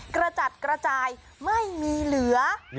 กระจัดกระจายไม่มีเหลือ